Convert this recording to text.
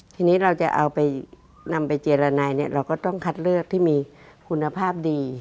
ทีนี้เราจะเอาไปนำไปเจรนายเนี่ยเราก็ต้องคัดเลือกที่มีคุณภาพดี